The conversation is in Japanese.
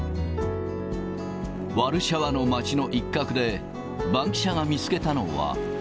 ワルシャワの街の一角で、バンキシャが見つけたのは。